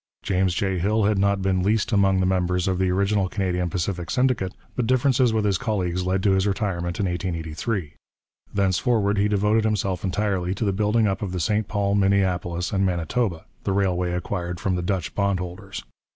James J. Hill had not been least among the members of the original Canadian Pacific Syndicate, but differences with his colleagues led to his retirement in 1883. Thenceforward he devoted himself entirely to the building up of the St Paul, Minneapolis and Manitoba, the railway acquired from the Dutch bondholders.